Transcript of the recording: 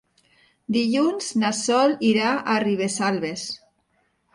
Dilluns na Sol irà a Ribesalbes.